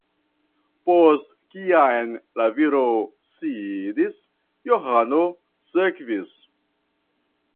Post kiam la viro sidis, Johano sekvis.